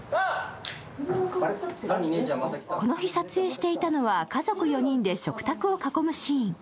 この日、撮影していたのは家族４人で食卓を囲むシーン。